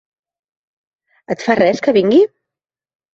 Et fa res que vingui?